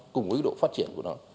cùng với độ phát triển của nó